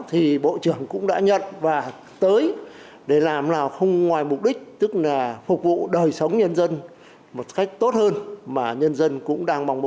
thì bộ trưởng cũng đã nhận và tới để làm nào không ngoài mục đích tức là phục vụ đời sống nhân dân một cách tốt hơn mà nhân dân cũng đang mong muốn